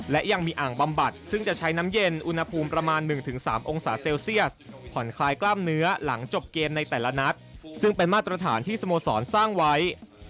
และยังมีอ่างบำบัดซึ่งจะใช้น้ำเย็นอุณหภูมิประมาณ๑๓องศาเซลเซียสผ่อนคลายกล้ามเนื้อหลังจบเกมในแต่ละนัดซึ่งเป็นมาตรฐานที่สโมสรสร้างไว้